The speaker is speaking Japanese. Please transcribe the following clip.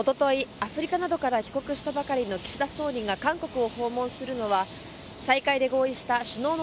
アフリカなどから帰国したばかりの岸田総理が韓国を訪問するのは再開で合意した首脳の